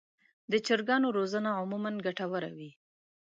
د چرګانو روزنه عموماً ګټه وره وي.